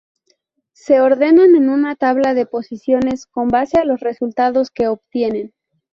Se ordenan en una tabla de posiciones con base a los resultados que obtienen.